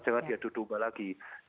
jangan diadu domba lagi